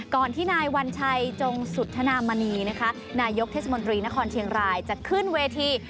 ที่นายวัญชัยจงสุธนามณีนะคะนายกเทศมนตรีนครเชียงรายจะขึ้นเวที